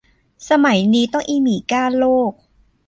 สมัยนี้ต้องอีหมีกร้านโลก